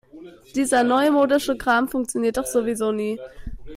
Dieser neumodische Kram funktioniert doch sowieso nie.